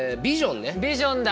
ビジョンだ。